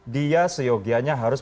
dia seyogianya harus